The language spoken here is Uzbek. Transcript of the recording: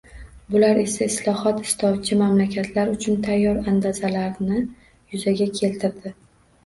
Bular esa islohot istovchi mamlakatlar uchun tayyor andazalarni yuzaga keltirdi.